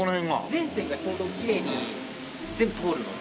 全線がちょうどきれいに全部通るので。